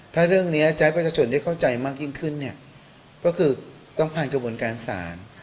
ถ้าเรื่องนี้ใจประชาชนจะเข้าใจมากยิ่งขึ้นก็คือต้องผ่านกระบวนการสาร